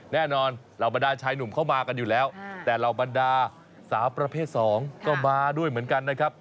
เหล่าบรรดาชายหนุ่มเข้ามากันอยู่แล้วแต่เหล่าบรรดาสาวประเภทสองก็มาด้วยเหมือนกันนะครับ